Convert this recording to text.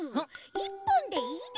１ぽんでいいです。